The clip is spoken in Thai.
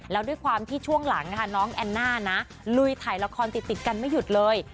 แล้วด้วยความที่ช่วงหลังค่ะน้องแอนน่านะลุยถ่ายละครติดกันไม่หยุดเลย